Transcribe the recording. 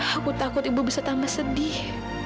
aku takut ibu bisa tambah sedih